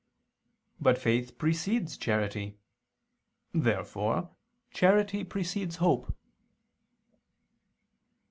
But faith precedes charity. Therefore charity precedes hope.